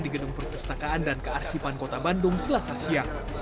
di gedung perpustakaan dan kearsipan kota bandung selasa siang